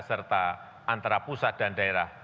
serta antara pusat dan daerah